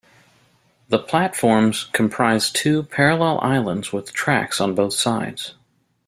The platforms comprise two parallel islands with tracks on both sides.